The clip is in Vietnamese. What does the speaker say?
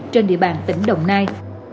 trên địa bàn tỉnh đồng nai